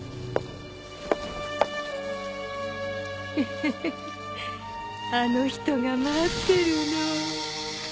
フフフあの人が待ってるの。